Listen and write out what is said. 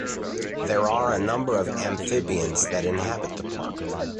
There are a number of Amphibians that inhabit the park.